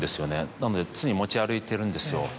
なので常に持ち歩いてるんですよ。